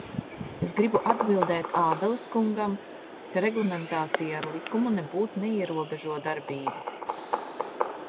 Es gribu atbildēt Ābeles kungam, ka reglamentācija ar likumu nebūt neierobežo darbību.